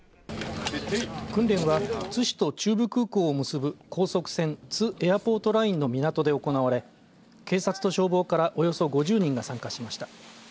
訓練は津市と中部空港を結ぶ高速船、津エアポートラインの港で行われ警察と消防からおよそ５０人が参加しました。